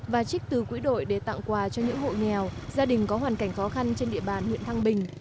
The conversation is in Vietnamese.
và trích từ quỹ đội để tặng quà cho những hộ nghèo gia đình có hoàn cảnh khó khăn trên địa bàn huyện thăng bình